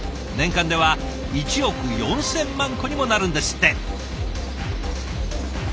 年間では１億４，０００万個にもなるんですって！